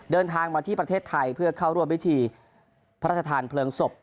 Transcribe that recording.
เดินทางมาที่ประเทศไทยเพื่อเข้าร่วมพิธีพระราชทานเพลิงศพ